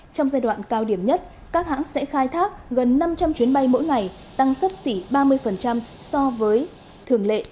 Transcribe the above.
trong giai đoạn cao điểm nhất các hãng sẽ khai thác gần năm trăm linh chuyến bay mỗi ngày tăng sấp xỉ ba mươi so với thường lệ